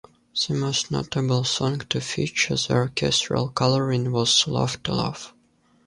The most notable song to feature the orchestral coloring was "Love to Love".